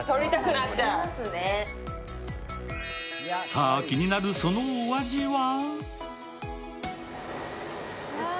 さぁ、気になるそのお味は？